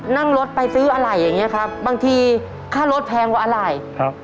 นั่งรถไปซื้ออะไรอย่างเงี้ยครับบางทีค่ารถแพงกว่าอะไรครับ